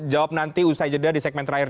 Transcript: jawab nanti usai jeda di segmen terakhir